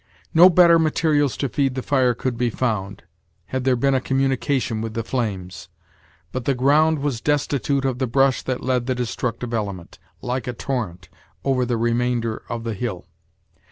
No better materials to feed the fire could be found, had there been a communication with the flames; but the ground was destitute of the brush that led the destructive element, like a torrent, over the remainder of the hill.